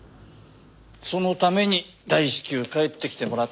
そのために大至急帰ってきてもらったんだ。